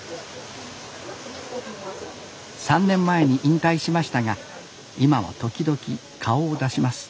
３年前に引退しましたが今も時々顔を出します